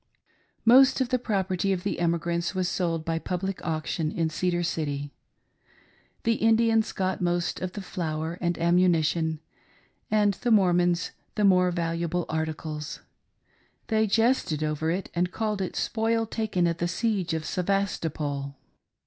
Most of the property of the emigrants was sold by public auction in Cedar Cit^ :— the Indians got most of the flour and ammunition, and the Mormons the more valuable articles. They jested over it and called it " Spoil taken at the siege of Sevastopol."